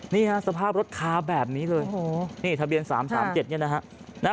นี่ฮะสภาพรถคาแบบนี้เลยโอ้โหนี่ทะเบียน๓๓๗เนี่ยนะฮะ